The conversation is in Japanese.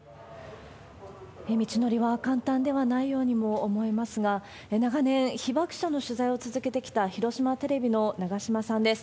道のりは簡単ではないようにも思えますが、長年、被爆者の取材を続けてきた広島テレビの長島さんです。